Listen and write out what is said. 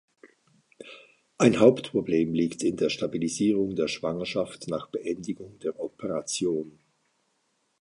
Ein Hauptproblem liegt in der Stabilisierung der Schwangerschaft nach Beendigung der Operation.